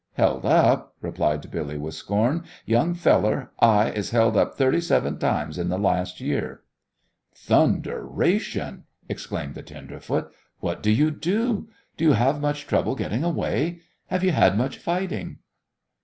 "Held up?" replied Billy, with scorn. "Young feller, I is held up thirty seven times in th' last year." "Thunderation!" exclaimed the tenderfoot. "What do you do? Do you have much trouble getting away? Have you had much fighting?"